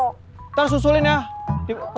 ntar susulin ya